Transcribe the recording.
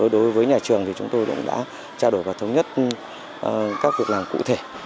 đối với nhà trường thì chúng tôi cũng đã trao đổi và thống nhất các việc làm cụ thể